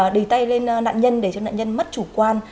đùi tay lên nạn nhân để cho nạn nhân mất chủ quan